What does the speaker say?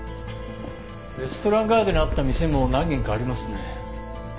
レストランガイドにあった店も何軒かありますね。